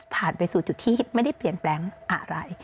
ไปสู่จุดที่ไม่ได้เปลี่ยนแปลงอะไร